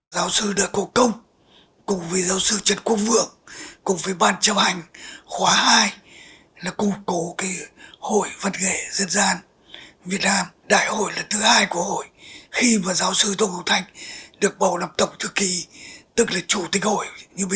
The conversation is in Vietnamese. giáo sư tô ngọc thanh tổng thư ký hội văn nghệ dân gian việt nam đã cho ra đời nhiều công trình nghiên cứu có giá trị cho nước nhà